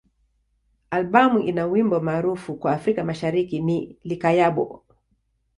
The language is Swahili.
Albamu ina wimbo maarufu kwa Afrika Mashariki ni "Likayabo.